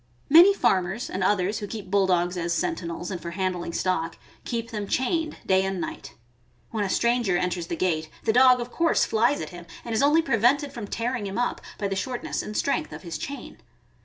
Many farmers and others who keep Bulldogs as senti nels and for handling stock, keep them chained day and night. When a stranger enters the gate, the dog of course ^ flies at him, and is only prevented from tearing him up by the shortness and strength of his chain.